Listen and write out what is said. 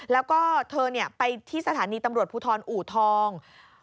แล้วก็เธอไปที่สถานีตำรวจภูทรอูทอง